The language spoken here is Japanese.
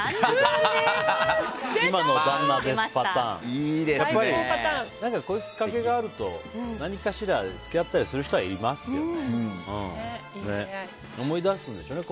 やっぱりこういうきっかけがあると何かしら付き合ったりする人はいますよね。